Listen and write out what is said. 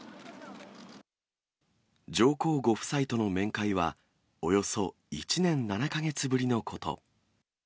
上皇ご夫妻との面会は、およそ１年７か月ぶりのこと。